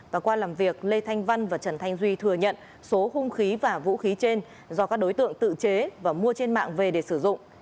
và qua làm việc lê thanh văn và trần thanh duy thừa nhận số hung khí và vũ khí trên do các đối tượng tự chế và mua trên mạng về để sử dụng